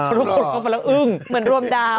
พอทุกคนักข่าวไปแล้วอึ้งเหมือนร่วมดาวน์